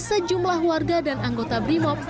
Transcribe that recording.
sejumlah warga dan anggota brimob